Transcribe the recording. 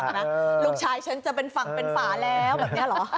นะลูกชายฉันจะเป็นฝั่งเป็นฝาแล้วแบบนี้เหรอ